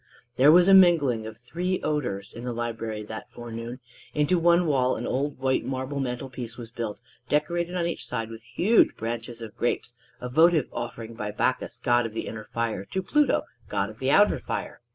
There was a mingling of three odors in the library that forenoon. Into one wall an old white marble mantel piece was built, decorated on each side with huge bunches of grapes a votive offering by Bacchus, god of the inner fire, to Pluto, god of the outer fire.